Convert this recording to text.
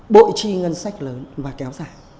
bội tri ngân sách lớn và kéo giả